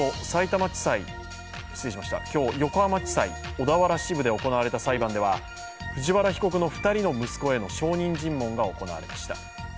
今日、横浜地裁小田原支部で行われた裁判では藤原被告の２人の息子への証人尋問が行われました。